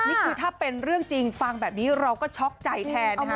นี่คือถ้าเป็นเรื่องจริงฟังแบบนี้เราก็ช็อกใจแทนนะคะ